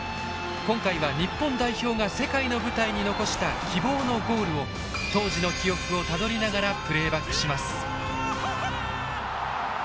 今回は日本代表が世界の舞台に残した希望のゴールを当時の記憶をたどりながらプレーバックします。